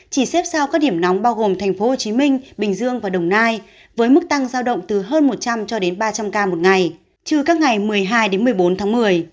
chỉ xếp sau các điểm nóng bao gồm tp hcm bình dương và đồng nai với mức tăng giao động từ hơn một trăm linh cho đến ba trăm linh ca một ngày trừ các ngày một mươi hai một mươi bốn tháng một mươi